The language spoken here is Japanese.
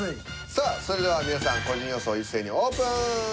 さあそれでは皆さん個人予想一斉にオープン！